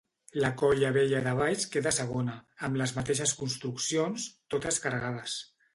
La Colla Vella de Valls quedà segona, amb les mateixes construccions, totes carregades.